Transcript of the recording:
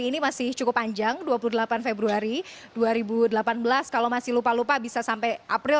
ini masih cukup panjang dua puluh delapan februari dua ribu delapan belas kalau masih lupa lupa bisa sampai april